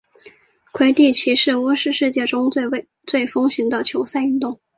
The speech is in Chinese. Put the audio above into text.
魁地奇是巫师世界中最风行的球赛运动。